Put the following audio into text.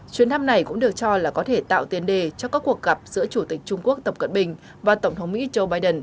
chuyến thăm này cũng được cho là có thể tạo tiền đề cho các cuộc gặp giữa chủ tịch trung quốc tập cận bình và tổng thống mỹ joe biden